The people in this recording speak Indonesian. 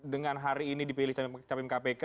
dengan hari ini dipilih capim kpk